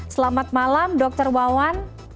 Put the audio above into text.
selamat malam dr wawan